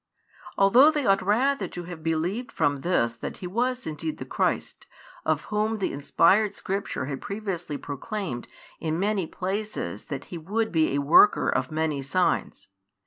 Although they ought rather to have believed from this that He was indeed the Christ, of Whom the inspired Scripture had previously proclaimed in many places that He would be a Worker of many signs.